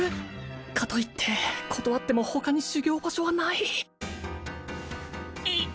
かといって断っても他に修行場所はないい